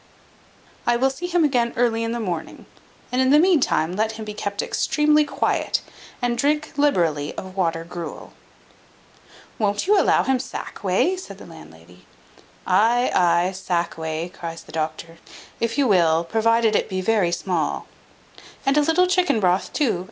I will see him again early in the morning; and in the meantime let him be kept extremely quiet, and drink liberally of water gruel." "Won't you allow him sack whey?" said the landlady. "Ay, ay, sack whey," cries the doctor, "if you will, provided it be very small." "And a little chicken broth too?"